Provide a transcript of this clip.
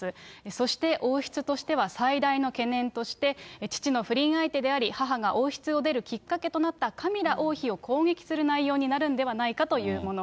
そして王室としては最大の懸念として、父の不倫相手であり、母が王室を出るきっかけとなったカミラ王妃を攻撃する内容になるんではないかというもの。